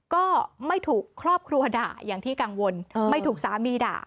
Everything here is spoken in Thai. ก็ไม่ถูกครอบครัวด่าอย่างที่กังวลไม่ถูกสามีด่า